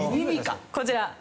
こちら。